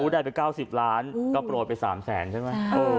ได้ไป๙๐ล้านก็โปรดไป๓แสนใช่ไหม